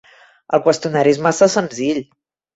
El qüestionari és massa senzill.